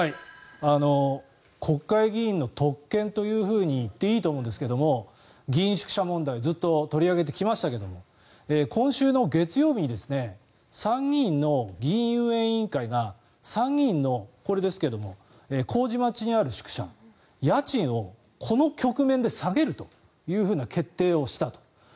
国会議員の特権というふうに言っていいと思うんですが議員宿舎問題ずっと取り上げてきましたけど今週の月曜日に参議院の議院運営委員会が参議院の、これですが麹町にある宿舎家賃をこの局面で下げるという決定をしたと。